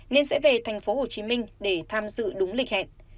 nên sẽ về thành phố hồ chí minh để tham dự đúng lịch hẹn